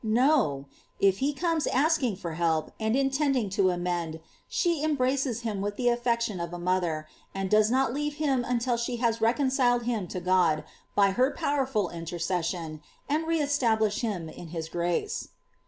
No: if he comes asking for help, and intending to amend, she embraces him with the affection of a mother, and does not leave him until she has rec onciled him to God by her powerful interces sion, and re established him in his grace.